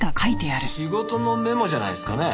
仕事のメモじゃないですかね？